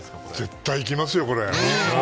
絶対行きますよ、これ。